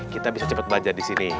kita bisa cepet belajar disini